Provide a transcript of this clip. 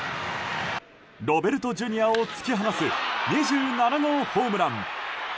ロベルトＪｒ．を突き放す２７号ホームラン。